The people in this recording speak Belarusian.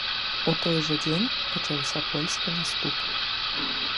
У той жа дзень пачаўся польскі наступ.